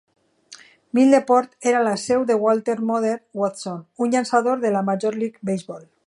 Middleport era la seu de Walter "Mother" Watson, un llançador de la Major League Baseball.